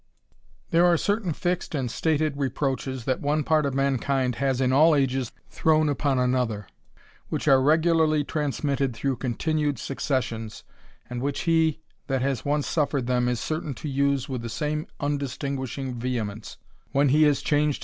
There are certain fixed and stated reproaches that one part of mankind has in all ages thrown upon another, which are regularly transmitted through continued successions, and which he that has once suffered them is certain to use with the ume undistinguishing vehemence, when he has ctianged 1o TH& kAMSLER.